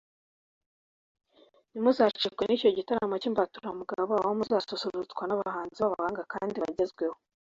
ntimuzacikwe n’icyo gitaramo cy'imbaturamugabo aho muzaba mususurutswa n’abahanzi b'abahanga kandi bagezweho